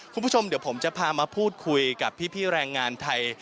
คุณผู้ชมเดี๋ยวผมจะพามาพูดคุยกับพี่แรงงานไทย